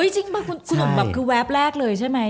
จริงคุณหนุ่มแบบคือแวบแรกเลยใช่ไหม